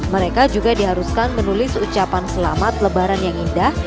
mereka juga diharuskan menulis ucapan selamat lebaran yang indah